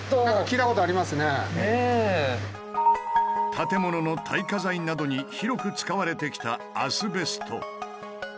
建物の耐火材などに広く使われてきたアスベスト。